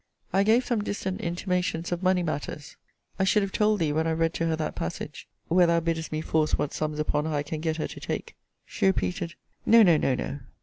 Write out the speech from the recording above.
I gave some distant intimations of money matters. I should have told thee, when I read to her that passage, where thou biddest me force what sums upon her I can get her to take she repeated, No, no, no, no!